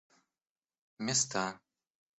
места